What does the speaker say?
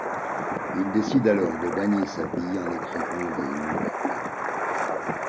Il décide alors de gagner sa vie en écrivant des nouvelles.